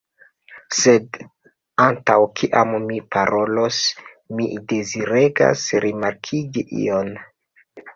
Sed antaŭ kiam mi parolos, mi deziregas rimarkigi ion.